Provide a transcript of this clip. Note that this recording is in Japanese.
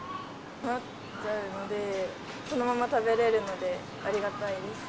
余っちゃうので、そのまま食べれるのでありがたいです。